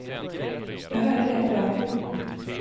Jag hörde det på radio.